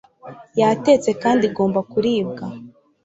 yatetse kandi igomba kuribwa